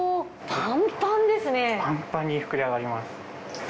パンパンに膨れ上がります。